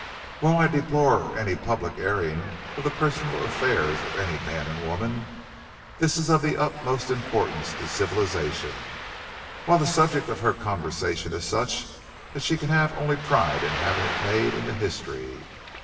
While I deplore any public airing of the personal affairs of any man and woman, this is of the utmost importance to Civilization, while the subject of her conversation is such that she can have only pride in having it made into history.